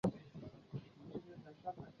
本篇只介绍电视版。